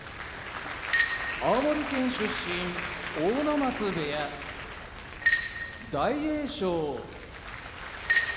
青森県出身阿武松部屋大栄翔埼玉県出身